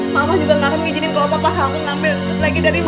mama juga gak akan izini kalau papa kamu ngambil lagi dari mama